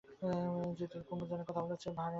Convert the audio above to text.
কুমু জানে কথা বলার চেয়েও এর ভার অনেক বেশি।